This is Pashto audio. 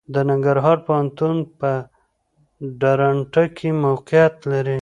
د ننګرهار پوهنتون په درنټه کې موقعيت لري.